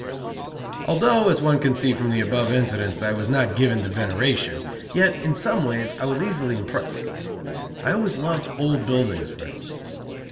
Although, as one can see from the above incidents, I was not given to veneration, yet in some ways I was easily impressed. I always loved old buildings, for instance.